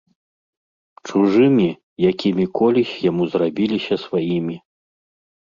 Чужымі, якімі колісь яму зрабілася сваімі.